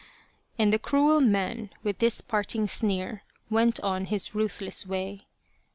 " and the cruel man, with this parting sneer, went on his ruthless way.